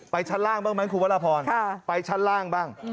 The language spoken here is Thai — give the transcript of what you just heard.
ชั้นล่างบ้างไหมคุณวรพรไปชั้นล่างบ้าง